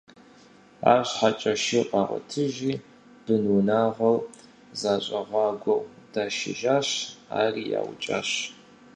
Арщхьэкӏэ шыр къагъуэтыжри, бынунагъуэр зэщӏэгъуагэу дашыжащ, ари яукӏащ.